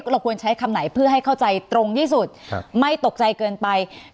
เราควรใช้คำไหนเพื่อให้เข้าใจตรงที่สุดไม่ตกใจเกินไป